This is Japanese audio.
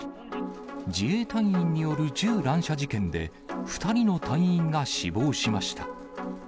自衛隊員による銃乱射事件で、２人の隊員が死亡しました。